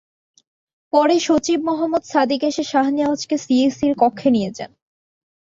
পরে সচিব মোহাম্মদ সাদিক এসে শাহ নেওয়াজকে সিইসির কক্ষে নিয়ে যান।